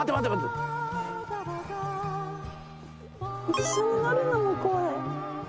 一緒に乗るのも怖い。